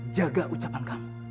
jaga ucapan kamu